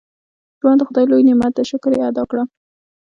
• ژوند د خدای لوی نعمت دی، شکر یې ادا کړه.